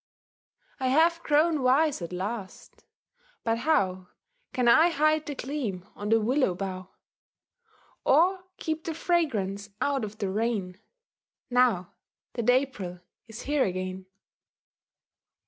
I have grown wise at last but how Can I hide the gleam on the willow bough, Or keep the fragrance out of the rain Now that April is here again?